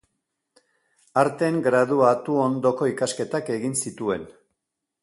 Arten graduatu ondoko ikasketak egin zituen.